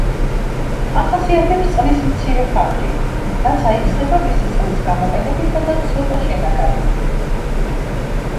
ახასიათებს წყლის მცირე ხარჯი, რაც აიხსნება მისი წყლის გამოყენებითა და ცოტა შენაკადებით.